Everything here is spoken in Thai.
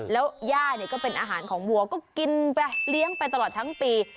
แล้วย่าเนี่ยก็เป็นอาหารของวัวก็กินไปเลี้ยงไปตลอดทั้งปี